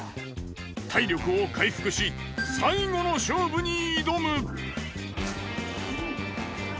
体力を回復し最後の勝負に挑む！